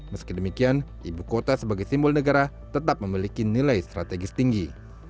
meski demikian ibu kota sebagai simbol negara tetap memiliki nilai strategis tinggi